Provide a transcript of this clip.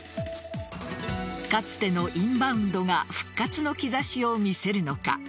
かつてのインバウンドが復活の兆しを見せるのか。